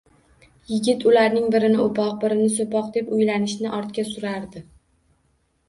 Yigit ularning birini o`poq, birini so`poq deb uylanishni ortga surardi